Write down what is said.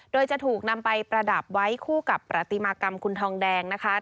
โดยจะถูกนำไปประดับไว้คู่กับประติมากรรมคุณทองแดงนะคะ